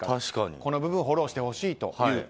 この部分をフォローしてほしいという声。